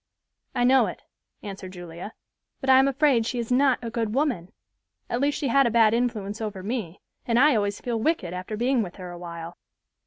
"I know it," answered Julia; "but I am afraid she is not a good woman. At least she had a bad influence over me, and I always feel wicked after being with her awhile."